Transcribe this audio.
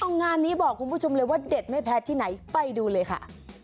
เอางานนี้บอกคุณผู้ชมเลยว่าเด็ดไม่แพ้ที่ไหนไปดูเลยค่ะ